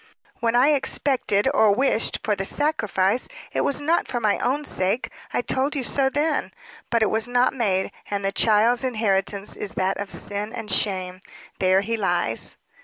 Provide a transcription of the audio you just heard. "When I expected or wished, for the 'sacrifice,' it was not for my own sake; I told you so then. But it was not made; and the child's inheritance is that of sin and shame. There he lies."